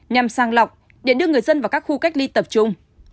nhằm sang lọc để đưa người dân vào các khu cách ly tập trung